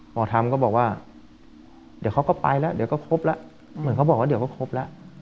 หมอธรรมก็บอกว่าเดี๋ยวเขาก็ไปแล้วเดี๋ยวก็ครบแล้วเหมือนเขาบอกว่าเดี๋ยวก็ครบแล้ว